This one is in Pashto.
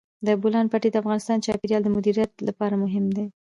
د بولان پټي د افغانستان د چاپیریال د مدیریت لپاره مهم دي.